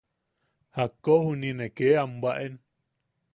Jakko juniʼi ne kee am bwaʼen.